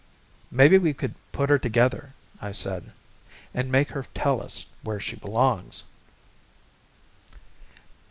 "Maybe we could put her together," I said, "and make her tell us where she belongs."